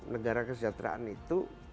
negara kesejahteraan itu